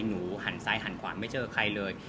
หนูหันซ้ายหันขวาไม่เจอใครเลย